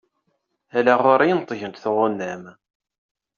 Ala ɣur-i i neṭṭgent tɣunam.